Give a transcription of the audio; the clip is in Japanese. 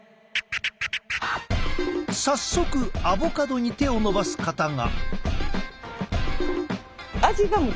早速アボカドに手を伸ばす方が。